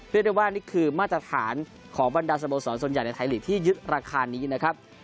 เรียกได้ว่านี่คือมาตรฐานของบรรดาสโมสรส่วนใหญ่ในไทยลีกที่ยึดราคานี้นะครับ